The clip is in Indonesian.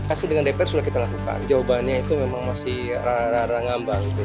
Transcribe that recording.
kasih dengan dpr sudah kita lakukan jawabannya itu memang masih rara rara ngambang gitu